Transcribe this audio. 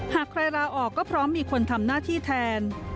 หากใครลาออกก็พร้อมมีคนทำหน้าที่แทน